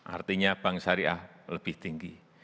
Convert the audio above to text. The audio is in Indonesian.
artinya bank syariah lebih tinggi